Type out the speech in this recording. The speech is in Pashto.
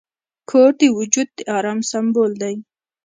کور د وجود د آرام سمبول دی.